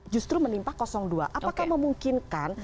justru menimpa dua apakah memungkinkan